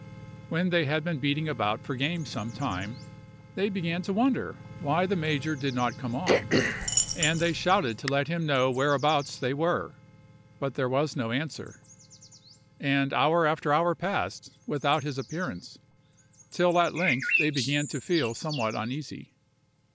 When they had been beating about for game some time, they began to wonder why the major did not come on, and they shouted to let him know whereabouts they were; but there was no answer, and hour after hour passed without his appearance, till at length they began to feel somewhat uneasy.